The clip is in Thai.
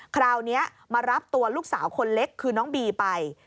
คราวนี้มารับตัวลูกสาวคนเล็กคือน้องบีไป